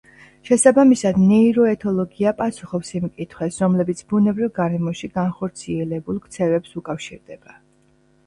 შესაბამისად, ნეიროეთოლოგია პასუხობს იმ კითხვებს, რომლებიც ბუნებრივ გარემოში განხორციელებულ ქცევებს უკავშირდება.